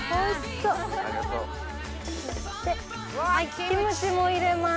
キムチも入れます。